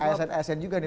buat asn asn juga nih